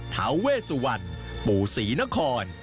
เทาเวสวันปู่ศรีนคร